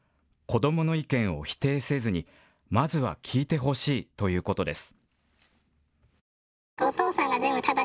子どもの意見を否定せずにまずは聞いてほしいということです。